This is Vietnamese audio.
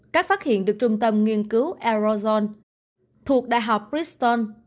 các phát hiện được trung tâm nghiên cứu arizona thuộc đại học bristol